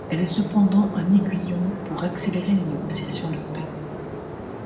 Elle est cependant un aiguillon pour accélérer les négociations de paix.